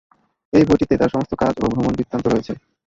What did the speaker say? এই বইটিতে তার সমস্ত কাজ ও ভ্রমণ বৃত্তান্ত রয়েছে।